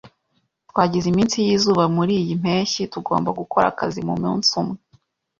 Twagize iminsi yizuba muriyi mpeshyi. Tugomba gukora akazi mumunsi umwe.